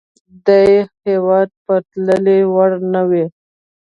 دې هېواد د پرتلې وړ نه وه.